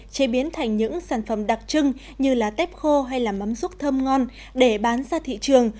chế biến thành những sản phẩm đặc trưng như là tép khô hay là mắm rút thơm ngon để bán ra thị trường